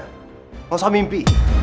nggak usah mimpi